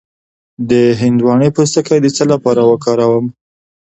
د هندواڼې پوستکی د څه لپاره وکاروم؟